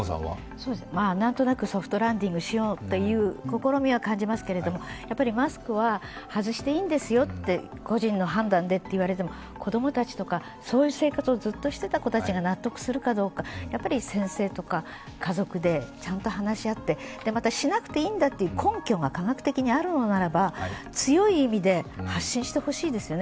なんとなくソフトランディングしようという試みは感じますがマスクは外していいんですよ、個人の判断でと言われても、子供たちとか、そういう生活をずっとしていた子たちが納得するのかやっぱり先生とか家族でちゃんと話し合ってしなくていいんだという根拠が科学的にあるのならば強い意味で発信してほしいですよね。